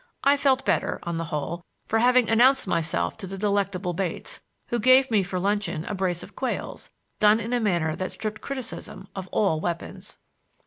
I felt better, on the whole, for having announced myself to the delectable Bates, who gave me for luncheon a brace of quails, done in a manner that stripped criticism of all weapons.